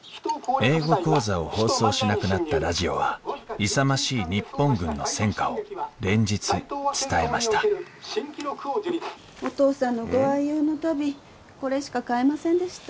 英語講座を放送しなくなったラジオは勇ましい日本軍の戦果を連日伝えましたお義父さんのご愛用の足袋これしか買えませんでした。